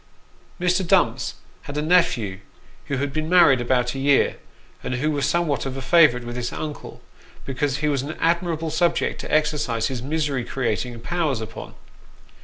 Mr. Dumps had a nephew who had been married about a year, and 356 Sketches by Boz. who was somewhat of a favourite with his uncle, because he was an admirable subject to exercise his misery creating powers upon.